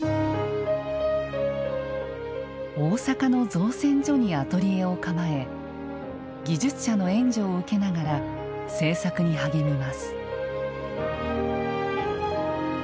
大阪の造船所にアトリエを構え技術者の援助を受けながら制作に励みます。